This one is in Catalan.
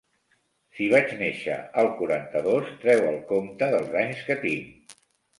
Si vaig néixer el quaranta-dos, treu el compte dels anys que tinc.